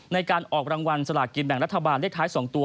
ในการออกรางวัลสลากินแบ่งรัฐบาลเลขท้าย๒ตัว